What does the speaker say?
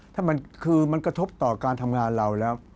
ถ้ามันคือมันกระทบต่อการทำงานเราแล้ว